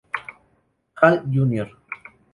Hall, Jr.